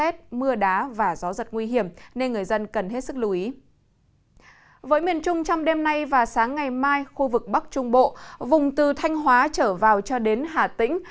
trong đêm nay và sáng ngày mai khu vực bắc trung bộ vùng từ thanh hóa trở vào cho đến hà tĩnh